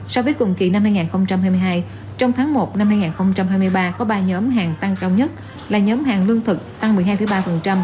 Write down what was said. so với cùng kỳ năm hai nghìn hai mươi hai trong tháng một năm hai nghìn hai mươi ba có ba nhóm hàng tăng cao nhất là nhóm hàng lương thực tăng một mươi hai ba